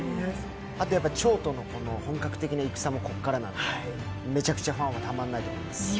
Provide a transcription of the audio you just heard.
あと趙との本格的な戦もこれからなんでめちゃくちゃファンはたまらないと思います。